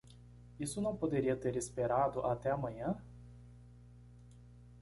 Isso não poderia ter esperado até a manhã?